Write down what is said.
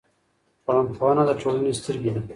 ټولنپوهنه د ټولنې سترګې دي.